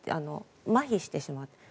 まひしてしまって。